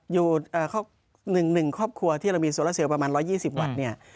อยู่เอ่อครอบหนึ่งหนึ่งครอบครัวที่เรามีโซลาเซลประมาณร้อยยี่สิบวัตต์เนี่ย